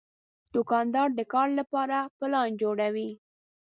دوکاندار د کار لپاره پلان جوړوي.